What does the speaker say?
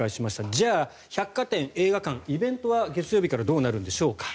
じゃあ、百貨店、映画館イベントは月曜日からどうなるんでしょうか。